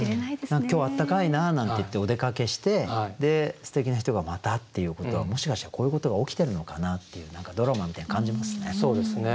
「今日暖かいな」なんて言ってお出かけしてすてきな人がまたっていうことはもしかしたらこういうことが起きてるのかなっていう何かドラマみたいなの感じますね。